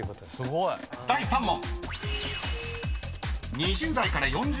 ［第３問］